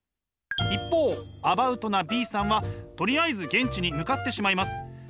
一方アバウトなＢさんはとりあえず現地に向かってしまいます。